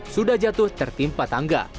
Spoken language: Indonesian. sudah jatuh tertimpa tangga